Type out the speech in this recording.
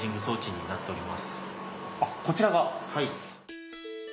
はい。